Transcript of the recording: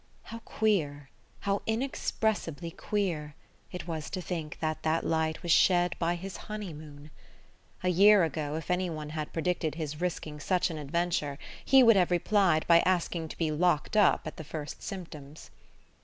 How queer how inexpressibly queer it was to think that that light was shed by his honey moon! A year ago, if anyone had predicted his risking such an adventure, he would have replied by asking to be locked up at the first symptoms....